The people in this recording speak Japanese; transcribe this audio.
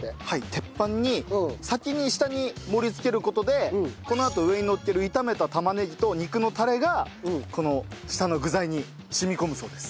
鉄板に先に下に盛りつける事でこのあと上にのっける炒めた玉ねぎと肉のタレがこの下の具材に染み込むそうです。